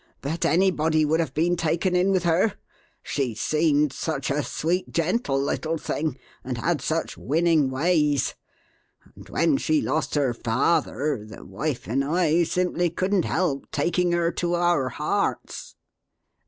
But anybody would have been taken in with her she seemed such a sweet, gentle little thing and had such winning ways. And when she lost her father, the wife and I simply couldn't help taking her to our hearts."